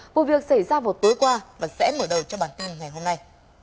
vụ việc xảy ra vào tối qua và sẽ mở đầu cho bản tin ngày hôm nay